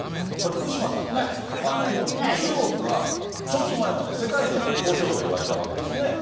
これ、福島さんね、中国は、ちょっと前まで世界の工場といわれたわけですね。